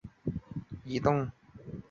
此球状影像可使用滑鼠点击移动。